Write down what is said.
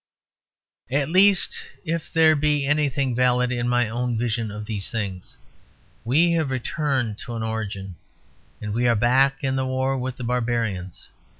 At least, if there be anything valid in my own vision of these things, we have returned to an origin and we are back in the war with the barbarians.